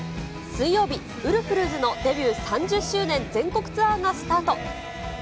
水曜日、ウルフルズのデビュー３０周年全国ツアーがスタート。